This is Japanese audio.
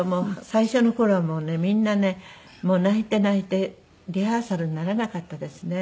最初の頃はもうねみんなね泣いて泣いてリハーサルにならなかったですね。